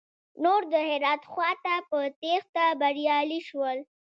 نور د هرات خواته په تېښته بريالي شول.